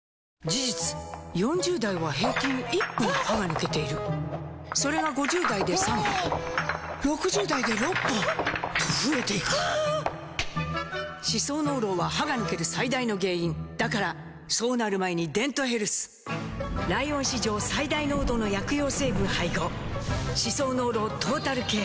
事実４０代は平均１本歯が抜けているそれが５０代で３本６０代で６本と増えていく歯槽膿漏は歯が抜ける最大の原因だからそうなる前に「デントヘルス」ライオン史上最大濃度の薬用成分配合歯槽膿漏トータルケア！